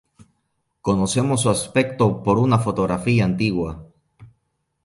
Conocemos su aspecto por una fotografía antigua.